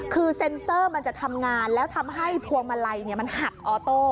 คือเซ็นเซอร์มันจะทำงานแล้วทำให้พวงมาลัยมันหักออโต้